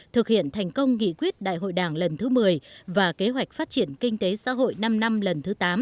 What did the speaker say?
thực hiện thành công nghị quyết đại hội đảng lần thứ một mươi và kế hoạch phát triển kinh tế xã hội năm năm lần thứ tám